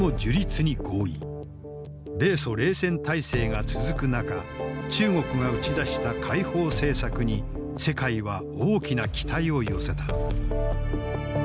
米ソ冷戦体制が続く中中国が打ち出した開放政策に世界は大きな期待を寄せた。